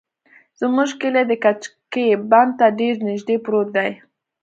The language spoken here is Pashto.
زموږ کلى د کجکي بند ته ډېر نژدې پروت دى.